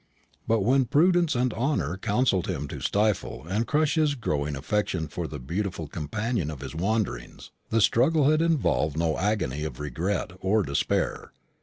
But when Prudence and Honour counselled him to stifle and crush his growing affection for the beautiful companion of his wanderings, the struggle had involved no agony of regret or despair.